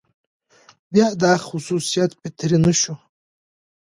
بيا دا خصوصيت فطري نه شو،